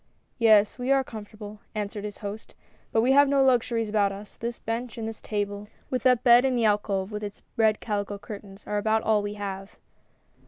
" Yes, we are comfortable," answered his host, " but we have no luxuries about us. This bench and this table, with that bed in the alcove with its red calico curtains, are about all we have."